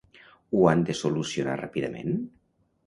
Ho han de solucionar ràpidament?